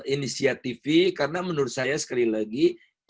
inisiatifi karena menurut saya sekali lagi